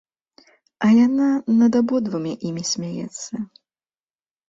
А яна над абодвума імі смяецца.